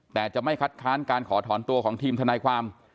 แต่จะไม่คัดค้านการขอถอนตัวของทีมทนายความ